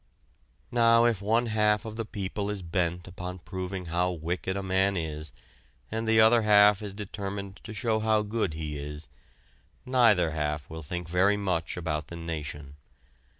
Now if one half of the people is bent upon proving how wicked a man is and the other half is determined to show how good he is, neither half will think very much about the nation.